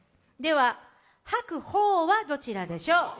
では「はくほう」はどちらでしょう？